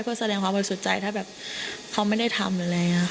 เพื่อแสดงความบริสุทธิ์ใจถ้าแบบเขาไม่ได้ทำหรืออะไรอย่างนี้